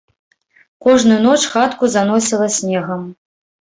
Кожную ноч хатку заносіла снегам.